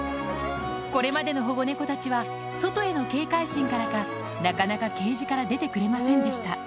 これまでの保護猫たちは、外への警戒心からか、なかなかケージから出てくれませんでした。